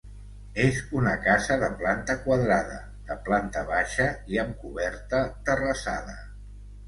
És una casa de planta quadrada, de planta baixa i amb coberta terrassada.